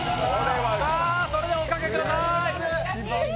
それではおかけください！